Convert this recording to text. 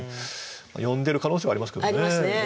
読んでる可能性はありますけどね。ありますね。